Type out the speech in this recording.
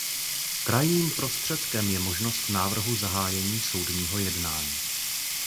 Krajním prostředkem je možnost návrhu zahájení soudního jednání.